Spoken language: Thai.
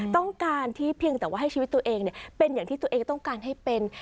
ต้องการที่เพียงแต่ว่าให้ชีวิตตัวเองเป็นอย่างที่ตัวเองต้องการให้เป็น